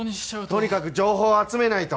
とにかく情報を集めないと。